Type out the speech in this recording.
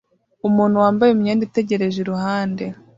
Umuntu wambaye imyenda itegereje iruhande